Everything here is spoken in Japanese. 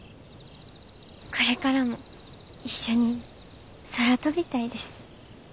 これからも一緒に空飛びたいです。